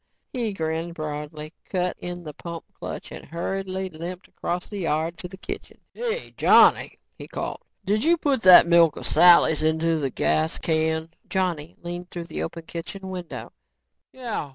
He grinned broadly, cut in the pump clutch and hurriedly limped across the yard to the kitchen. "Hey, Johnny," he called, "did you put that milk o' Sally's into a gas can?" Johnny leaned through the open kitchen window.